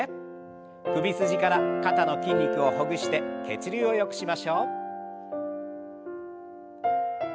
首筋から肩の筋肉をほぐして血流をよくしましょう。